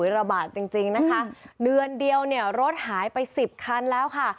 ระบาดจริงจริงนะคะเดือนเดียวเนี่ยรถหายไปสิบคันแล้วค่ะ